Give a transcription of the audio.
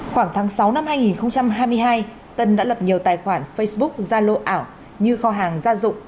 khoảng tháng sáu năm hai nghìn hai mươi hai tân đã lập nhiều tài khoản facebook ra lô ảo như kho hàng gia dụng